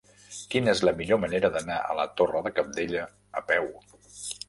Quina és la millor manera d'anar a la Torre de Cabdella a peu?